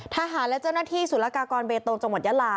ทหารและเจ้าหน้าที่สุรกากรเบตงจังหวัดยาลา